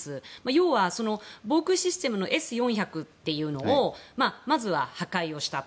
要は、防空システムのＳ４００というのをまずは破壊をした。